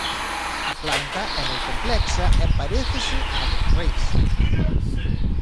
A planta é moi complexa e parécese á dos reis.